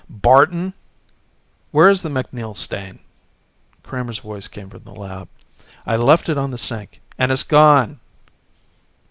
"Barton! Where is the MacNeal stain!" Kramer's voice came from the lab. "I left it on the sink and it's gone!"